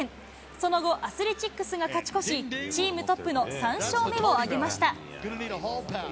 その後、アスレチックスが勝ち越し、チームトップの３勝目を挙げました。